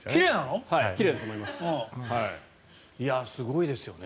すごいですよね。